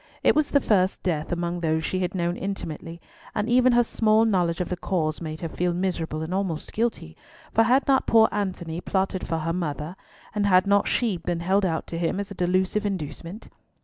It was the first death among those she had known intimately, and even her small knowledge of the cause made her feel miserable and almost guilty, for had not poor Antony plotted for her mother, and had not she been held out to him as a delusive inducement?